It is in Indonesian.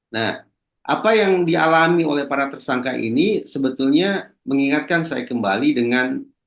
nah apa yang dialami oleh para tersangka ini sebetulnya mengingatkan saya kembali dengan